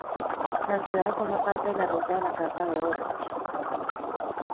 La ciudad forma parte de la ruta de la Casa de Orange.